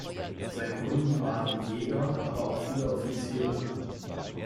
Seine Kunden waren Jäger, aber auch viele Offiziere.